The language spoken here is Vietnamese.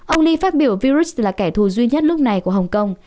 ông lee phát biểu virus là kẻ thù duy nhất lúc này của hồng kông